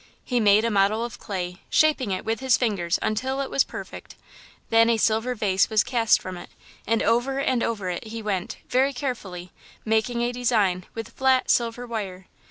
He made a model of clay, shaping it with his fingers until it was perfect. Then a silver vase was cast from it and over and over it he went, very carefully, making a design with flat, silver wire.